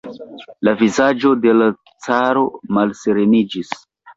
La vizaĝo de l' caro malsereniĝis.